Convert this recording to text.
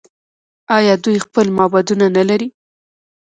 آیا دوی خپل معبدونه نلري؟